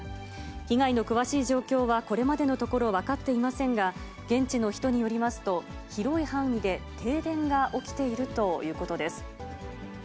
被害の詳しい状況はこれまでのところ分かっていませんが、現地の人によりますと、広い範囲で停電が起きているということです。